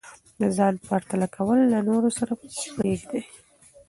د ځان پرتله کول له نورو سره پریږدئ.